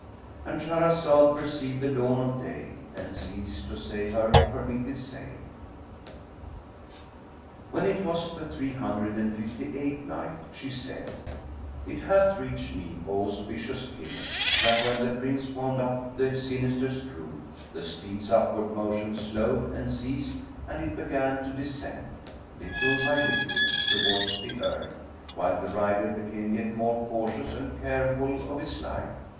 —And Shahrazad perceived the dawn of day and ceased to say her permitted say. When it was the Three Hundred and Fifty eighth Night, She said, It hath reached me, O auspicious King, that when the Prince wound up the sinister screw, the steed's upward motion slowed and ceased, and it began to descend, little by little, towards the earth while the rider became yet more cautious and careful of his life.